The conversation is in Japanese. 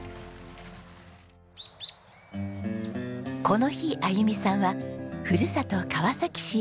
この日あゆみさんはふるさと川崎市へ。